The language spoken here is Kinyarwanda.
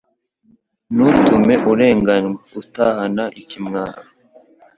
Ntutume urenganywa atahana ikimwaro